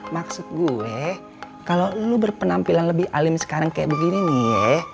maksud gue kalau lu berpenampilan lebih alim sekarang kayak begini nih